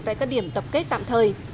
tại các điểm tập kết tạm thời